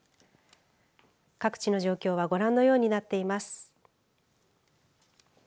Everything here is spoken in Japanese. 各地の状況はご覧のようになっています。